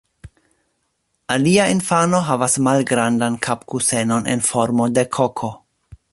Alia infano havas malgrandan kapkusenon en formo de koko.